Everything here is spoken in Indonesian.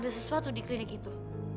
ada sesuatu di klinik itu